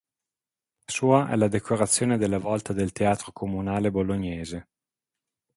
Sua è la decorazione della volta del teatro Comunale bolognese.